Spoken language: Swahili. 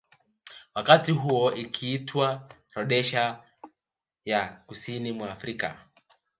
Wakati huo ikiitwa Rhodesia ya kusini mwa Afrika